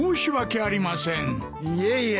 いえいえ。